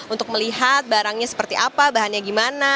untuk melihat barangnya seperti apa bahannya gimana